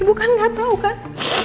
ibu kan nggak tahu kan